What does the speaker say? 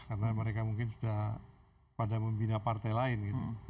karena mereka mungkin sudah pada membina partai lain